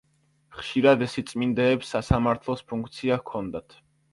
ხშირად სიწმინდეებს „სასამართლოს“ ფუნქცია ჰქონდათ.